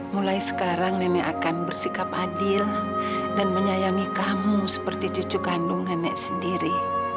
mulai sekarang nenek akan bersikap adil dan menyayangi kamu seperti cucu kandung nenek sendiri